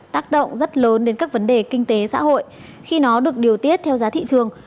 tác động rất lớn đến các vấn đề kinh tế xã hội khi nó được điều tiết theo giá thị trường